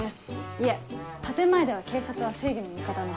いえ建前では警察は正義の味方なはず。